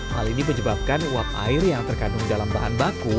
hal ini menyebabkan uap air yang terkandung dalam bahan baku